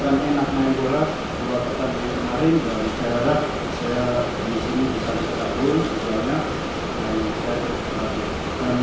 saya baru merasakan enak main bola buat pertandingan kemarin dan saya harap saya bisa mencetak gol